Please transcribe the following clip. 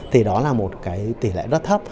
thì đó là một cái tỷ lệ rất thấp